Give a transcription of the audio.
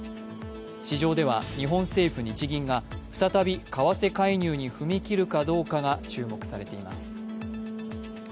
市場では、日本政府・日銀が再び為替介入に踏み切るかどうかが注目されています。